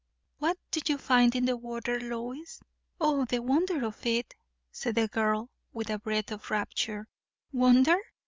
"What do you find in the water, Lois?" "O, the wonder of it!" said the girl, with a breath of rapture. "Wonder!